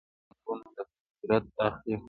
حسن چې رنګونه دفطرت اخلي